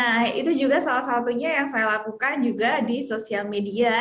nah itu juga salah satunya yang saya lakukan juga di sosial media